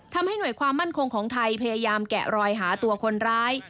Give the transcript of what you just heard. ทำให้หน่วยความมั่นคงของไทยพยายามแกะรอยหาตัวคนร้าย